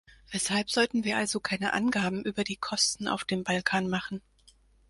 Weshalb sollten wir also keine Angaben über die Kosten auf dem Balkan machen?